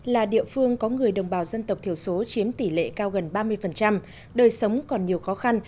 là địa phương có người đồng bào dân tộc thiểu số chiếm tỷ lệ cao gần ba mươi đời sống còn nhiều khó khăn